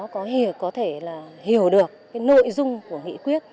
có thể là hiểu được cái nội dung của nghị quyết